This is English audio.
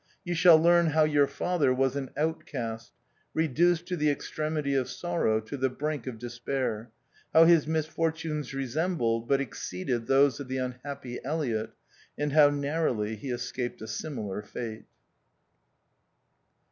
You shall learn how your father was an outcast, reduced to the ex tremity of sorrow, to the brink of despair ; how his misfortunes resembled, but exceeded those of the unhappy Elliott, and how narrowly he escaped a similar fate.